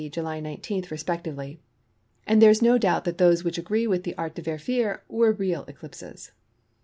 June 19, respectively, and there is no doubt that those which agree with the Art de vérifier were real eclipses.